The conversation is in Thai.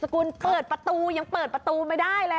กุลเปิดประตูยังเปิดประตูไม่ได้เลย